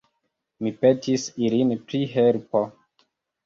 Mi petis ilin pri helpo.